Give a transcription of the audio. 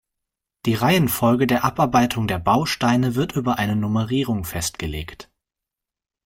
Die Reihenfolge der Abarbeitung der Bausteine wird über eine Nummerierung festgelegt.